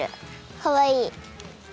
かわいい。